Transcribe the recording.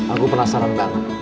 aku penasaran banget